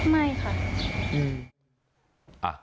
ไม่ค่ะ